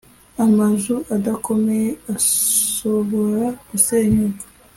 Amazu adakomeye asobora gusenyuka